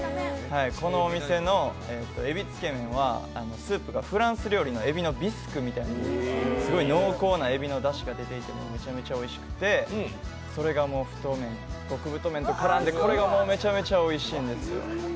このお店の海老つけめんはスープがフランス料理のえびのビスクみたいなすごい濃厚なえびのだしが出ていてめちゃめちゃおいしくてそれが極太麺と絡んでめちゃめちゃおいしいんですよ。